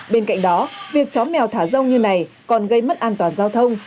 bên cạnh đó việc chó mèo thả rông như này còn gây mất an toàn giao thông